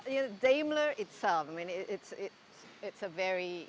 sekarang daimler sendiri